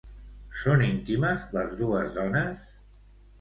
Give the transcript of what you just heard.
Són íntimes les dues dones?